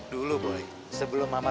dulu boy sebelum mama